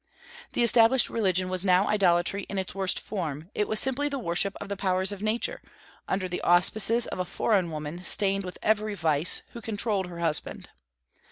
The established religion was now idolatry in its worst form; it was simply the worship of the powers of Nature, under the auspices of a foreign woman stained with every vice, who controlled her husband.